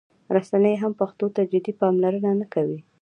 رسنۍ هم پښتو ته جدي پاملرنه نه کوي.